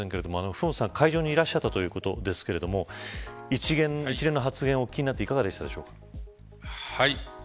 麓さん、会場にいらっしゃったということですけれども一連の発言をお聞きになっていかがでしたでしょうか。